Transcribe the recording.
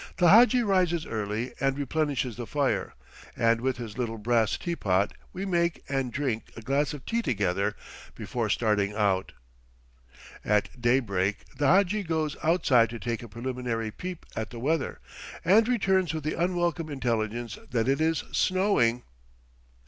The hadji rises early and replenishes the fire, and with his little brass teapot we make and drink a glass of tea together before starting out. At daybreak the hadji goes outside to take a preliminary peep at the weather, and returns with the unwelcome intelligence that it is snowing.